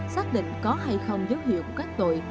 xác định có hay không dấu hiệu của các tội